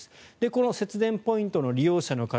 この節電ポイントの利用者の方